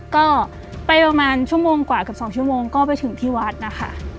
ก็ไปประมาณชั่วโมงกว่ากับ๒ชั่วโมงก็ไปถึงที่วัดนะคะ